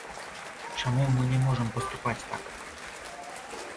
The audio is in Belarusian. Чаму мы не можам паступаць так?